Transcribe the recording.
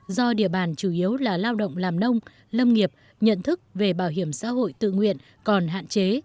do địa bàn chủ yếu là lao động làm nông lâm nghiệp nhận thức về bảo hiểm xã hội tự nguyện còn hạn chế